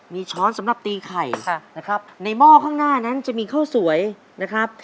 มีช้อนสำหรับตีไข่นะครับในหม้อข้างหน้านั้นจะมีข้าวสวยนะครับ